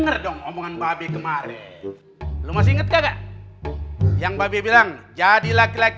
ah di rumah itu ada british